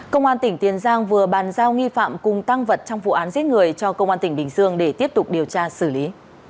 công an tỉnh tiền giang vừa bàn giao nghi phạm cùng tăng vật trong vụ án giết người cho công an tỉnh bình dương để tiếp tục điều tra xử lý